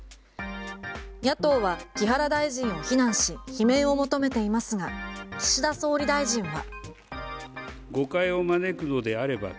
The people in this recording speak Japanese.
野党は木原大臣を非難し罷免を求めていますが岸田総理大臣は。